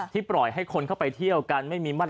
ที่ปล่อยให้คนเข้าไปเที่ยวกัน